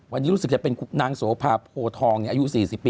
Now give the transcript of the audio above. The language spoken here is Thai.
วันนี้รู้สึกจะเป็นนางโสภาโพทองอายุ๔๐ปี